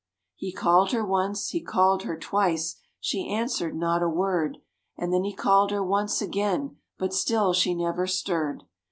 He called her once, he called her twice, she answered not a word, And then he called her once again but still she never stirred.